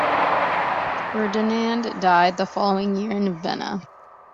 Ferdinand died the following year in Vienna.